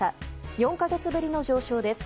４か月ぶりの上昇です。